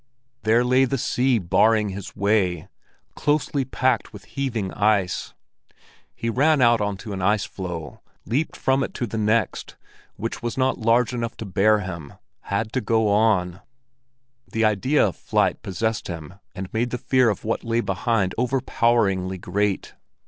There lay the sea barring his way, closely packed with heaving ice. He ran out on to an ice floe, leaped from it to the next, which was not large enough to bear him—had to go on. The idea of flight possessed him and made the fear of what lay behind overpoweringly great.